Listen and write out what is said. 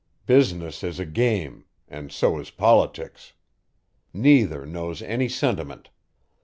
Business is a game, and so is politics. Neither knows any sentiment.